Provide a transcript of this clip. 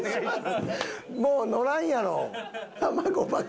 もうのらんやろ。